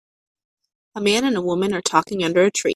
A man and a woman are talking under a tree.